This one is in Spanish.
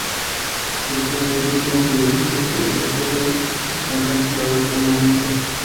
Estos dos últimos servicios hacia Hato Rey están cancelados por el momento.